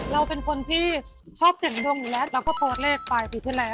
เราเป็นคนที่ชอบเสียงด่วงและโพสเลขไปอีกที่แล้ว